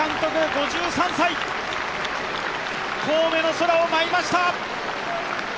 ５３歳、神戸の空を舞いました。